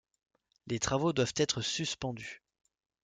Les travaux doivent être suspendus.